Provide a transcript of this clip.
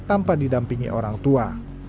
tanpa didampingi orang tua